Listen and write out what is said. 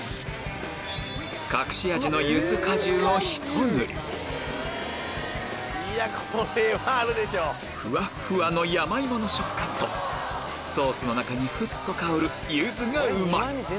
隠し味のふわっふわの山芋の食感とソースの中にふっと香るゆずがうまい！